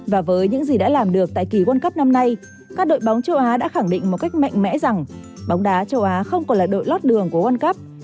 và với những gì đã làm được tại kỳ world cup năm nay các đội bóng châu á đã khẳng định một cách mạnh mẽ rằng bóng đá châu á không còn là đội lót đường của world cup